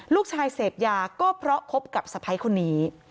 เสพยาก็เพราะคบกับสะพ้ายคนนี้